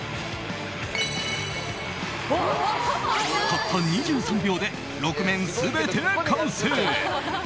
たった２３秒で６面全て完成！